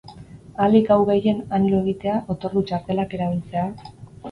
Ahalik gau gehien han lo egitea, otordu-txartelak erabiltzea...